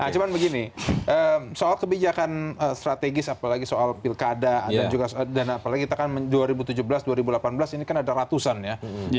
nah cuma begini soal kebijakan strategis apalagi soal pilkada dan apalagi kita kan dua ribu tujuh belas dua ribu delapan belas ini kan ada ratusan ya